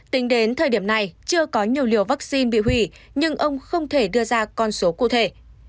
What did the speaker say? tính đến thời điểm này chưa có nhiều liều vaccine bị hủy nhưng ông không thể đưa ra con số cụ thể